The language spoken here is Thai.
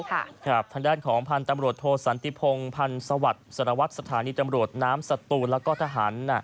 ทางด้านของพันธุ์ตำรวจโทสันติพงพันธ์สวัสดิ์สารวัตรสถานีตำรวจน้ำสตูนแล้วก็ทหาร